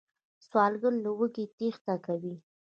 سوالګر له لوږې تېښته کوي